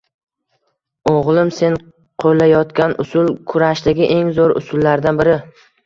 Oʻgʻlim, sen qoʻllayotgan usul kurashdagi eng zoʻr usullardan biri